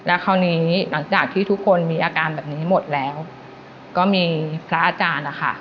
แล้วคราวนี้หลังจากที่ทุกคนมีอาการแบบนี้หมดแล้วก็มีพระอาจารย์นะคะ